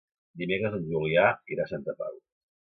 Dimecres en Julià irà a Santa Pau.